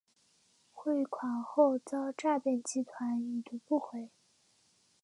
汇款后遭诈骗集团已读不回